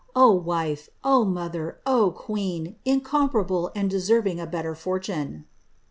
O wife! O mother! O queen! incompa rable and deserving a InMier furtune.